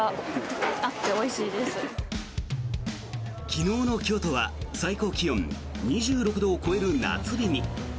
昨日の京都は最高気温２６度を超える夏日に。